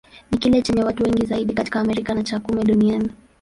Ni kile chenye watu wengi zaidi katika Amerika, na cha kumi duniani.